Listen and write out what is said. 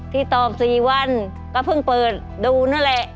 ที่ตอบ๔วันก็เพิ่งเปิดดูนั่นแหละ